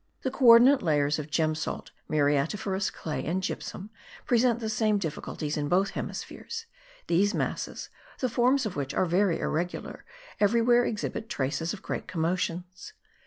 The co ordinate layers of gem salt, muriatiferous clay and gypsum present the same difficulties in both hemispheres; these masses, the forms of which are very irregular, everywhere exhibit traces of great commotions.